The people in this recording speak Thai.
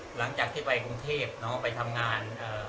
หลังจากที่ไปกรุงเทพน้องเขาไปทำงาน